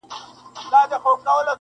زما پر خوار پوستين جگړه وه د زوى مړو -